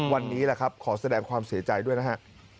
วันนี้แหละครับขอแสดงความเสียใจด้วยนะฮะ